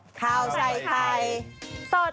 นุ่มนวลมากครับพี่หนุ่มครับ